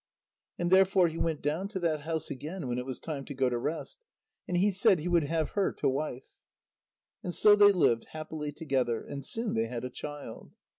And therefore he went down to that house again when it was time to go to rest. And he said he would have her to wife. And so they lived happily together, and soon they had a child.